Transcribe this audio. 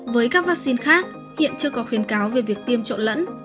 với các vaccine khác hiện chưa có khuyến cáo về việc tiêm trộn lẫn